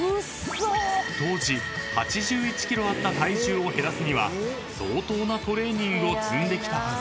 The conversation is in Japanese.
［当時８１ｋｇあった体重を減らすには相当なトレーニングを積んできたはず］